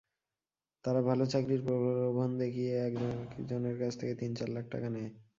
তারা ভালো চাকরির প্রলোভন দেখিয়ে একেকজনের কাছ থেকে তিন-চার লাখ টাকা নেয়।